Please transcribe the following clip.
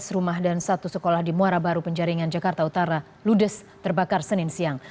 lima belas rumah dan satu sekolah di muara baru penjaringan jakarta utara ludes terbakar senin siang